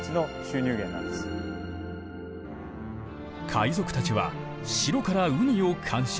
海賊たちは城から海を監視。